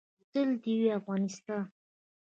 تل دې وي افغانستان.